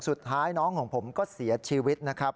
สุดท้ายน้องของผมก็เสียชีวิตนะครับ